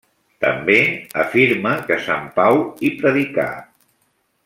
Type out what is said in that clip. També afirma que Sant Pau hi predicà.